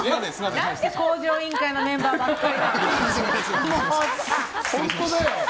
何で「向上委員会」のメンバーばっかり。